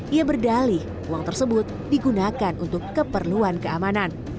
ia berdali uang tersebut digunakan untuk keperluan keamanan